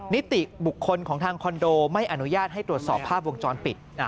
นิติบุคคลของทางคอนโดไม่อนุญาตให้ตรวจสอบภาพวงจรปิด